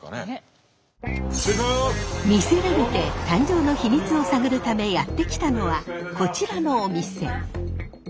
誕生の秘密を探るためやって来たのはこちらのお店。